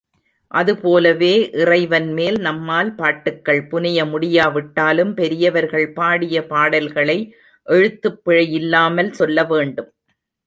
அதுபோலவே இறைவன்மேல் நம்மால் பாட்டுக்கள் புனைய முடியாவிட்டாலும் பெரியவர்கள் பாடிய பாடல்களை எழுத்துப் பிழையில்லாமல் சொல்ல வேண்டும்.